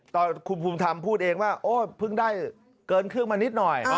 ตอนคุณภูมิธรรมพูดเองว่าโอ๊ยเพิ่งได้เกินเครื่องมานิดหน่อย